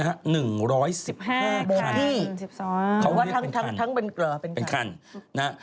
ทั้ง๑๒คันเขาเรียกเป็นคันเป็นคันนะ